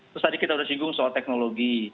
terus tadi kita sudah singgung soal teknologi